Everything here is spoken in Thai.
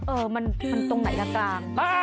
เออมันตรงไหนละกลาง